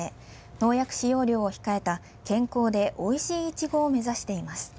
農薬使用量を控えた健康で、おいしいいちごを目指しています。